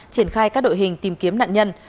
triển khai các đội hình tìm kiếm nạn nhân